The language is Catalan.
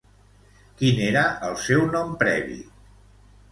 Quin era el seu nom previ?